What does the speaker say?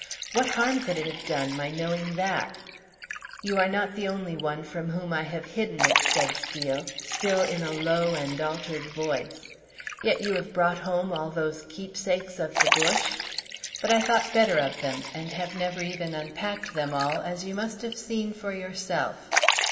What harm could it have done, my knowing that?" "You are not the only one from whom I have hidden it," said Steel, still in a low and altered voice. "Yet you brought home all those keepsakes of the bush?" "But I thought better of them, and have never even unpacked them all, as you must have seen for yourself."